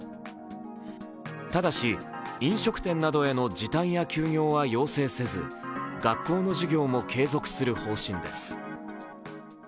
ただし、飲食店などへの時短や休業は要請せず学校の授業も継続する方針です。